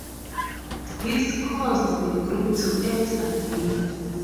This caused the group to act again.